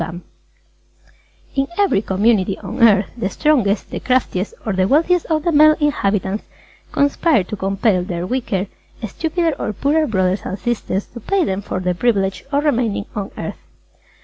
"_ In every community on Earth, the strongest, the craftiest or the wealthiest of the male inhabitants conspire to compel their weaker, stupider or poorer brothers and sisters to pay them for the privilege of remaining on earth.